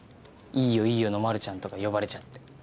「いいよいいよ」のまるちゃんとか呼ばれちゃって。